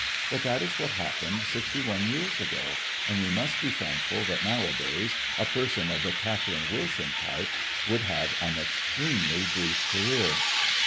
But that is what happened sixty one years ago, and we must be thankful that nowadays a person of the Catherine Wilson type would have an extremely brief career.